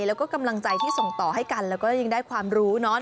แล้วก็กำลังใจที่ส่งต่อให้กันแล้วก็ยังได้ความรู้เนาะ